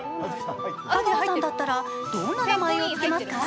香川さんだったら、どんな名前をつけますか？